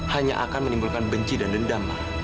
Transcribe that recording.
hanya akan menimbulkan benci dan dendam